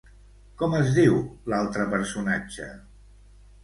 Com es diu l'altre personatge?